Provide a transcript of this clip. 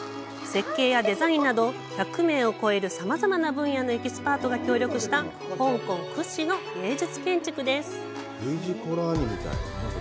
設計やデザインなど、１００名を超えるさまざまな分野のエキスパートが協力した、香港屈指の芸術建築です。